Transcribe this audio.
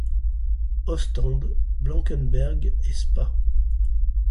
Ostende, Blankenberg et Spa.